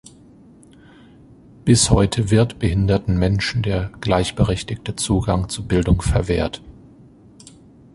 Bis heute wird behinderten Menschen der gleichberechtigte Zugang zu Bildung verwehrt.